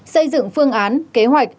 xây dựng phương án kế hoạch